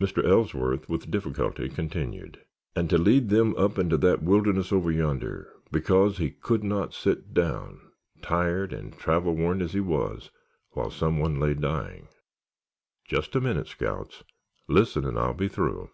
Mr. Ellsworth with difficulty continued, "And to lead them up into that wilderness over yonder, because he could not sit down, tired and travel worn as he was, while some one lay dying. "Just a minute, scouts—listen and I will be through.